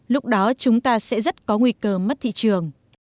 lúc đó chúng ta sẽ rất có nguy cơ mất thị trường